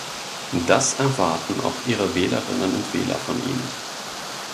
Das erwarten auch Ihre Wählerinnen und Wähler von Ihnen.